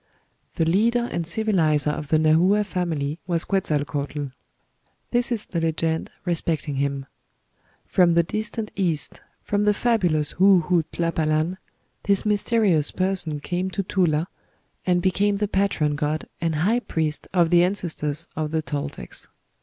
The leader and civilizer of the Nahua family was Quetzalcoatl. This is the legend respecting him: "From the distant East, from the fabulous Hue Hue Tlapalan, this mysterious person came to Tula, and became the patron god and high priest of the ancestors of the Toltecs.